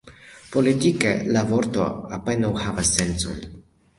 Politike, la vorto apenaŭ havas sencon.